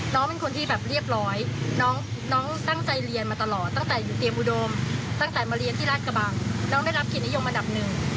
น้องมีเกติบัติการตีความประพฤติเรียบร้อยการเรียนดีของน้อง